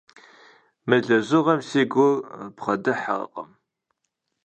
Мы лэжьыгъэм си гур бгъэдыхьэркъым.